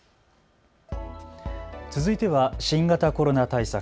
続いては新型コロナ対策。